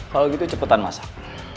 kalau gitu cepetan masak